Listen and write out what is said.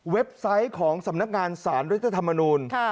ไซต์ของสำนักงานสารรัฐธรรมนูล